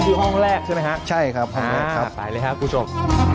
คือห้องแรกใช่ไหมฮะใช่ครับไปเลยครับคุณผู้ชม